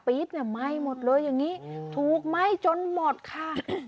ปี๊บมัยหมดเลยอย่างนี้ถูกไหม้จนหมดค่ะ